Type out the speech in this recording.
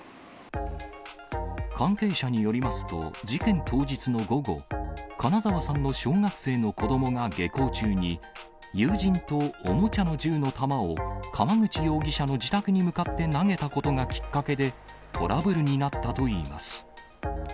関係者によりますと、事件当日の午後、金沢さんの小学生の子どもが下校中に、友人とおもちゃの銃の弾を川口容疑者の自宅に向かって投げたことがきっかけで、トラブルになったといいます。